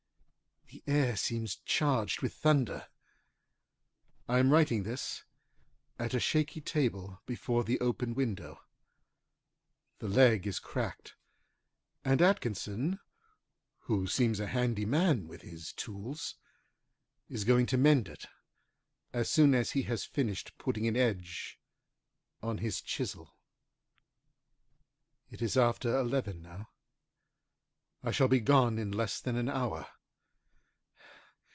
The air seems charged with thunder. I am writing this at a shaky table before the open window. The leg is cracked, and Atkinson, who seems a handy man with his tools, is going to mend it as soon as he has finished putting an edge on his chisel. It is after eleven now. I shall be gone in less than an hour.